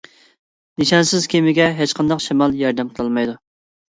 نىشانسىز كېمىگە ھېچقانداق شامال ياردەم قىلالمايدۇ.